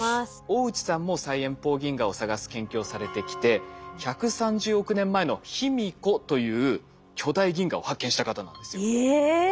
大内さんも最遠方銀河を探す研究をされてきて１３０億年前のヒミコという巨大銀河を発見した方なんですよ。え！